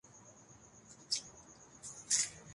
موجود ہ لوگ جو ہیں۔